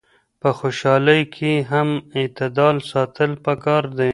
په خوشحالۍ کي هم اعتدال ساتل پکار دي.